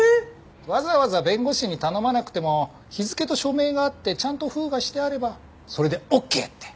わざわざ弁護士に頼まなくても日付と署名があってちゃんと封がしてあればそれでオッケーって。